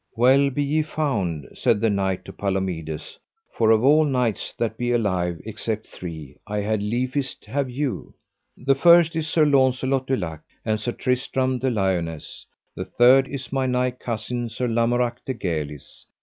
Well be ye found, said the knight to Palomides, for of all knights that be alive, except three, I had liefest have you. The first is Sir Launcelot du Lake, and Sir Tristram de Liones, the third is my nigh cousin, Sir Lamorak de Galis.